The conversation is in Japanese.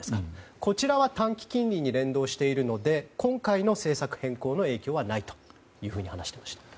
こちらは短期金利に連動しているので今回の政策変更の影響はないと話していました。